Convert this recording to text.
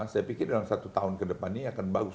saya pikir dalam satu tahun kedepannya akan bagus